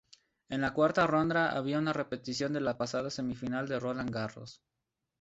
En la cuarta ronda habría un repetición de la pasada semifinal de Roland Garros.